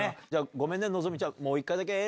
ごめんね希ちゃん。